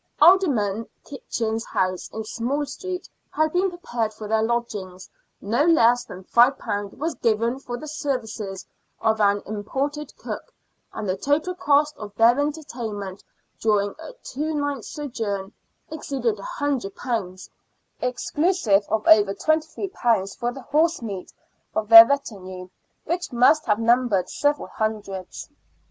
Alderman Kitchin's house in Small Street, had been prepared for their lodgings, no less than £5 was given for the services of an imported cook, and the total cost of their entertainment, during a two nights' sojourn, exceeded £100, exclusive of over £2;^ for the horse meat of their retinue, which must have numbered several hundreds.